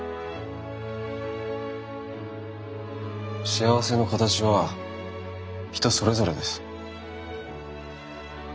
幸せの形は人それぞれです。